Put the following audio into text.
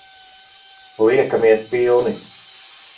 Liekamies pilni.